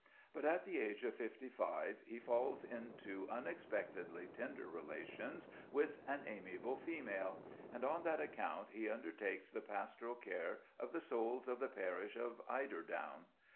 But at the age of fifty five he falls into unexpectedly tender relations with an amiable female, and on that account he undertakes the pastoral care of the souls of the parish of Eiderdown!